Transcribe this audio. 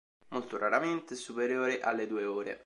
Molto raramente è superiore alle due ore.